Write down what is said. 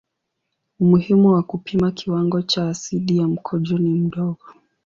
Umuhimu wa kupima kiwango cha asidi ya mkojo ni mdogo.